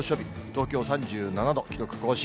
東京３７度、記録更新。